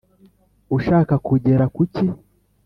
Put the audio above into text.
Ushaka kugera kuki